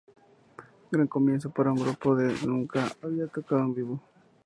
Gran comienzo para un grupo que nunca había tocado en vivo...